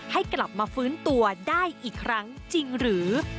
ให้กลับมาฟื้นตัวได้อีกครั้งจริงหรือ